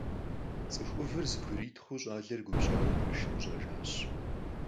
Цӏыху ӏувыр зэбгритхъуу, щӏалэр губжьауэ пэшым къыщӀэжащ.